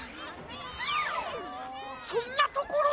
そんなところに。